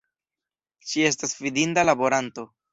Ŝi estas fidinda laboranto.